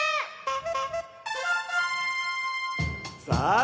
さあ